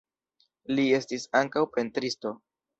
Li estis ankaŭ pentristo.